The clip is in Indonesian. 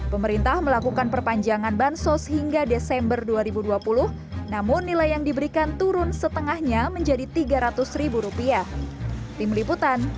pemerintah melakukan perpanjangan bansos hingga desember dua ribu dua puluh namun nilai yang diberikan turun setengahnya menjadi rp tiga ratus